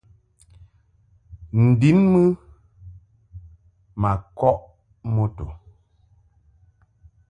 N-din mɨ ma kɔʼ moto.